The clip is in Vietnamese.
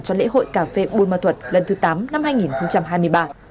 cho lễ hội cà phê buôn ma thuật lần thứ tám năm hai nghìn hai mươi ba